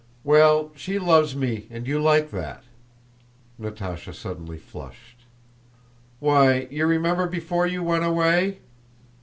"Well, she loves me and you like that." Natásha suddenly flushed. "Why, you remember before you went away?...